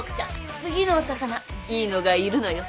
次のオサカナいいのがいるのよ。